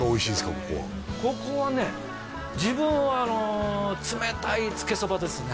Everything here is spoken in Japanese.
ここはここはね自分は冷たいつけそばですね